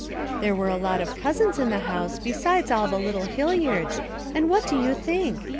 There were a lot of cousins in the house besides all the little Hilliards, and what do you think?